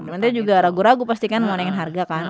maksudnya juga ragu ragu pastikan nganingin harga kan